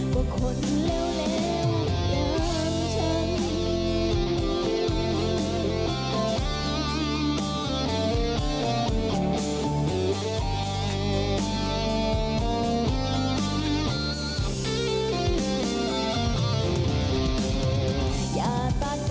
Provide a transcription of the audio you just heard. กว่าคนเลวอย่างฉัน